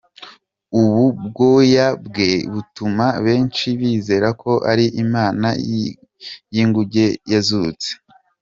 Ubu bwoya bwe butuma benshi bizera ko ari imana y'inguge yazutse.